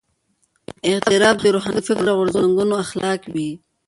اعتراف د روښانفکره غورځنګونو اخلاق وي.